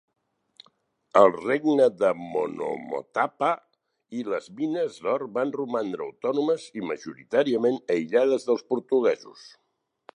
El regne de Monomotapa i les mines d'or van romandre autònomes i majoritàriament aïllades dels portuguesos.